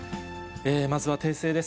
まずは訂正です。